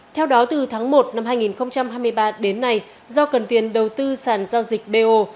theo đó từ tháng một năm hai nghìn hai mươi ba đến nay do cần tiền đầu tư sàn giao dịch bo